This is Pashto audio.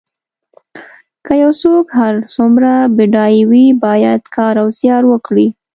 که یو څوک هر څومره بډای وي باید کار او زیار وکړي.